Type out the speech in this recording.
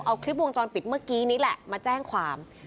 เอาคลิปวงจรปิดเมื่อกี้นี้แหละมาแจ้งความ